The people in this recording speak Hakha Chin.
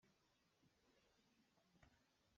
A khabe a sau.